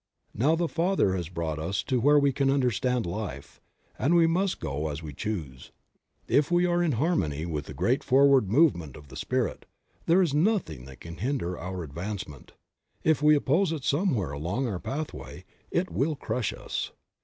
Now the Father has brought us to where we can understand life, and we must go as we choose. If we are in harmony with the great forward movement of the Spirit, there is nothing that can hinder our advance ment ; if we oppose it, somewhere along our pathway it will crush us.